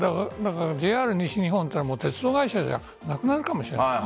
ＪＲ西日本は鉄道会社じゃなくなるかもしれない。